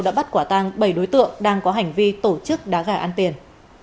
đã bắt quả tăng bảy đối tượng đang có hành vi tổ chức đá gà ăn tiền